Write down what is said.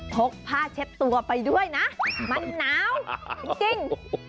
พกผ้าเช็ดตัวไปด้วยนะมันหนาวจริง